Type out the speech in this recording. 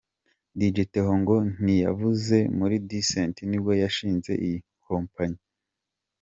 Dj Theo ngo ntiyavuye muri Decent nubwo yashinze iye kompanyi.